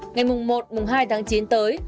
ngày một hai tháng chín tới